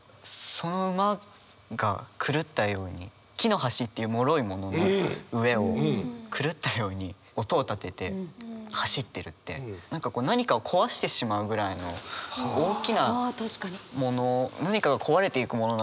その馬が狂ったように木の橋っていうもろいものの上を狂ったように音を立てて走ってるって何かを壊してしまうぐらいの大きなもの。